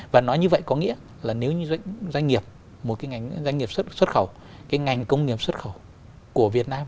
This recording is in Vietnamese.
và nói như vậy có nghĩa là nếu như doanh nghiệp một cái ngành doanh nghiệp xuất khẩu cái ngành công nghiệp xuất khẩu của việt nam